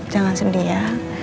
jangan sedih ya